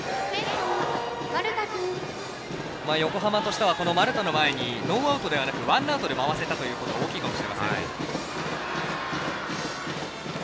横浜としては丸田の前にノーアウトではなくワンアウトで回せたということが大きいかもしれません。